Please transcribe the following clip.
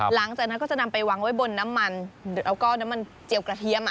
หลังจากนั้นก็จะนำไปวางไว้บนน้ำมันแล้วก็น้ำมันเจียวกระเทียม